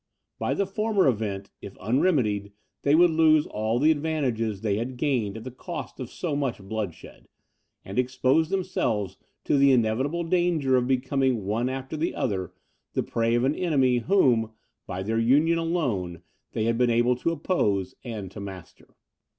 By the former event, if unremedied, they would lose all the advantages they had gained at the cost of so much bloodshed, and expose themselves to the inevitable danger of becoming one after the other the prey of an enemy, whom, by their union alone, they had been able to oppose and to master.